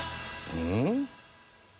うん。